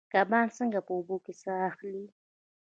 کبان څنګه په اوبو کې ساه اخلي؟